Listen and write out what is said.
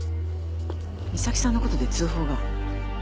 美咲さんのことで通報が。